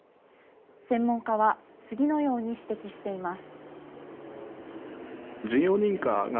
専門家は、次のように指摘しています。